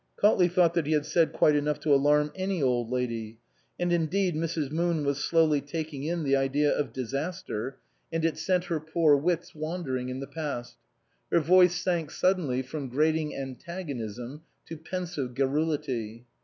Cautley thought that he had said quite enough to alarm any old lady. And indeed Mrs. Moon was slowly taking in the idea of disaster, and it 232 BASTIAN CAUTLEY, M.D sent her poor wits wandering in the past. Her voice sank suddenly from grating antagonism to pensive garrulity.